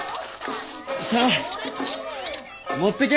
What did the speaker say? さあ持ってけ！